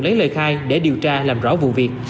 lấy lời khai để điều tra làm rõ vụ việc